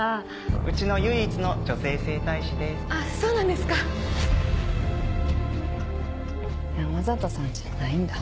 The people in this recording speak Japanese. うちの唯一の女性整体師ですあっそうなんですか山里さんじゃないんだ。